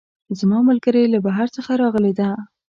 زما ملګرۍ له بهر څخه راغلی ده